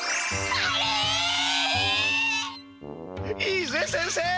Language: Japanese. いいぜ先生！